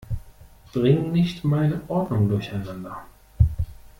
Bring nicht meine Ordnung durcheinander!